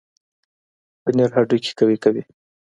پنیر هډوکي قوي کوي.